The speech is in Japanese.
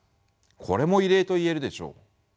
これも異例と言えるでしょう。